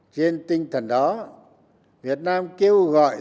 trên tinh thần đó việt nam kêu gọi